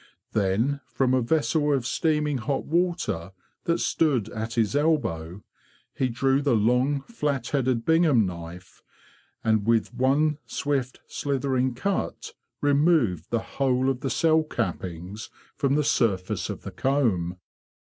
Then, from a vessel of steaming hot water that stood at his elbow, he drew the long, flat headed Bingham knife, and with one swift slithering cut removed the whole of the cell cappings from the surface of the comb.